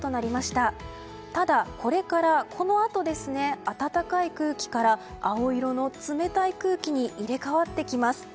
ただ、これからこのあと暖かい空気から青色の冷たい空気に入れ替わってきます。